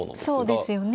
そうですよね。